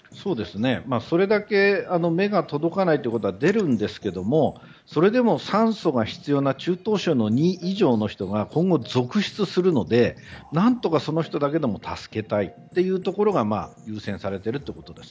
それだけ、目が届かないということは出るんですがそれでも酸素が必要な中等症の２以上の人が今後、続出するので何とかその人だけでも助けたいというところが優先されているということです。